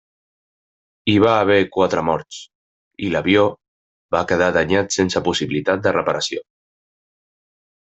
Hi va haver quatre morts, i l'avió va quedar danyat sense possibilitat de reparació.